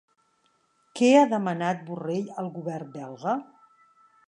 Què ha demanat Borrell al govern belga?